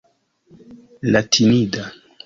latinida